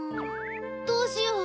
どうしよう？